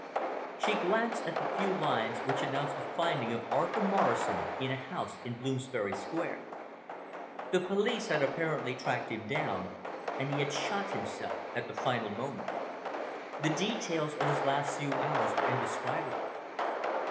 She glanced at the few lines which announced the finding of Arthur Morrison in a house in Bloomsbury Square. The police had apparently tracked him down, and he had shot himself at the final moment. The details of his last few hours were indescribable.